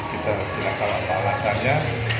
kita tidak tahu apa alasannya